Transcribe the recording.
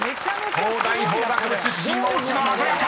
［東大法学部出身大島鮮やか。